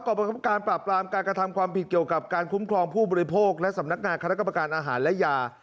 บังคับการปราบปรามการกระทำความผิดเกี่ยวกับการคุ้มครองผู้บริโภคและสำนักงานคณะกรรมการอาหารและยา